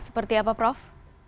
seperti apa prof